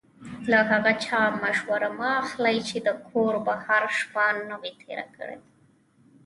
له هغه چا مشوره مه اخلئ چې د کوره بهر شپه نه وي تېره.